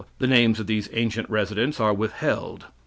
The names of these ancient residents are withheld.